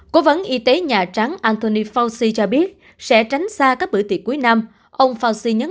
cố vấn y tế nhà trắng anthony fauci cho biết sẽ tránh xa các bữa tiệc cuối năm ông fauci nhấn